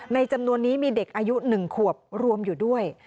จำนวนนี้มีเด็กอายุ๑ขวบรวมอยู่ด้วย